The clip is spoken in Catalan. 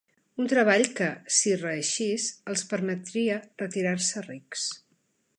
Un treball que, si reeixís, els permetria retirar-se rics.